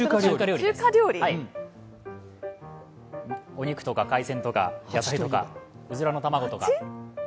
お肉とか海鮮とか野菜とか、うずらの卵とか。